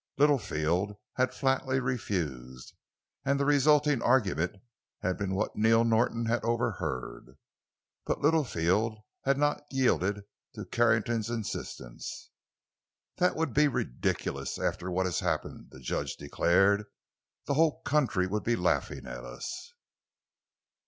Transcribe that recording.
Littlefield had flatly refused, and the resulting argument had been what Neil Norton had overheard. But Littlefield had not yielded to Carrington's insistence. "That would be ridiculous, after what has happened," the judge declared. "The whole country would be laughing at us.